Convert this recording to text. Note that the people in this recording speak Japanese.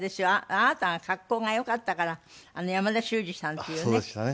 あなたが格好がよかったから山田修爾さんっていうね